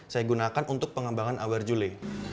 saya gunakan untuk pengembangan eyewear zule